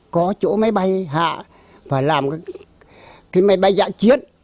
có chỗ máy bay hạ phải làm cái máy bay giã chiến